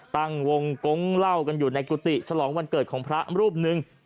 ตั้งวงกงเล่ากันอยู่ในกุฏิฉลองวันเกิดของพระรูปหนึ่ง